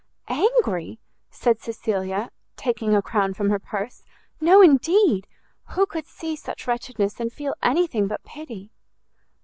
"Angry!" said Cecilia, taking a crown from her purse; "no, indeed! who could see such wretchedness, and feel any thing but pity?"